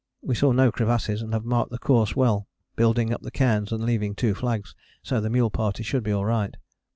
We saw no crevasses, and have marked the course well, building up the cairns and leaving two flags so the mule party should be all right.